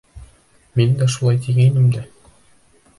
Мин дә шулай тигәйнем дә...